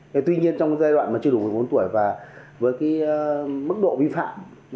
thế tuy nhiên trong cái giai đoạn mà chưa đủ một mươi bốn tuổi và với cái mức độ vi phạm